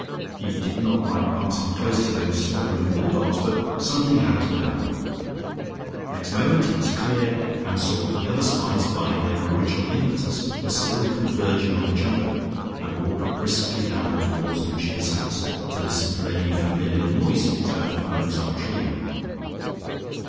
He did not like passing close to those slobbering bull dogs, but something had to be done ... Next moment he was clear and saw that the other spies by their original impetus were still converging on each other and walked briskly down towards Lucia's house, to listen for any familiar noises out of the Mozart trio.